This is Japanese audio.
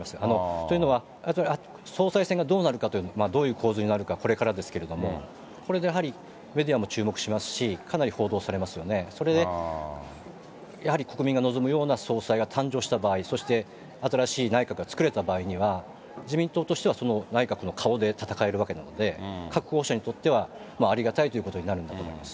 というのは、総裁選がどうなるか、どういう構図になるか、これからですけれども、これでやはりメディアも注目しますし、かなり報道されますよね、それで、やはり国民が望むような総裁が誕生した場合、そして、新しい内閣が作れた場合には、自民党としては、その内閣の顔で戦えるわけなので、各候補者にとってはありがたいということになるんだと思います。